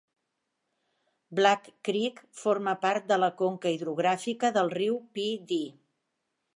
Black Creek forma part de la conca hidrogràfica del riu Pee Dee.